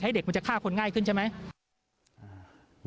เด็กมันจะฆ่าคนง่ายขึ้นใช่ไหม